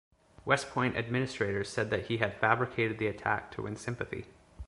West Point administrators said that he had fabricated the attack to win sympathy.